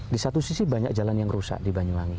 di satu sisi banyak jalan yang rusak di banyuwangi